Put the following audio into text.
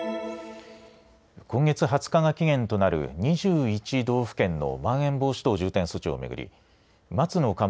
今月２０日が期限となる２１道府県のまん延防止等重点措置を巡り松野